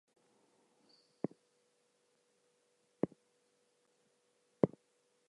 She proceeded to tell us that Steve Jobs had died.